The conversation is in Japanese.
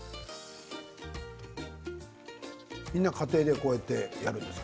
みんな家庭でこうやってやるんですか？